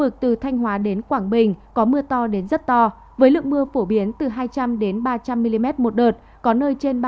cảnh báo mưa lớn